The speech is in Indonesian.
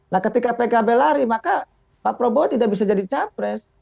nah ketika pkb lari maka pak prabowo tidak bisa jadi capres